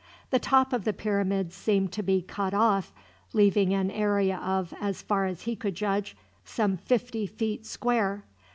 The top of the pyramid seemed to be cut off, leaving an area of, as far as he could judge, some fifty feet square.